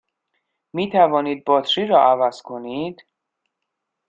می توانید باتری را عوض کنید؟